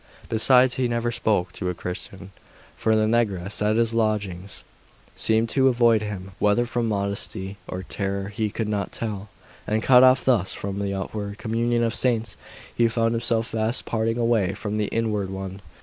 Besides, he never spoke to a Christian; for the negress at his lodgings seemed to avoid him whether from modesty or terror, he could not tell; and cut off thus from the outward 'communion of saints,' he found himself fast parting away from the inward one.